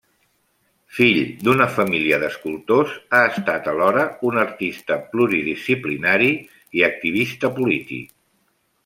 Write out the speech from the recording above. Fill d'una família d'escultors, ha estat alhora un artista pluridisciplinari i activista polític.